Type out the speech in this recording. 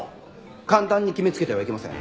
簡単に決めつけてはいけません。